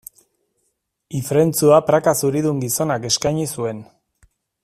Ifrentzua praka zuridun gizonak eskaini zuen.